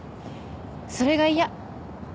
それが嫌。